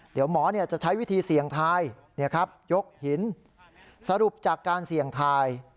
เดี๋ยวหมอเนี้ยจะใช้วิธีเสี่ยงทายเนี้ยครับยกหินสรุปจากการเสี่ยงทาย